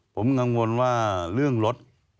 ผมกังวลว่าเรื่องรถ